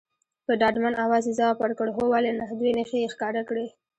په ډاډمن اواز یې ځواب ورکړ، هو ولې نه، دوې نښې یې ښکاره کړې.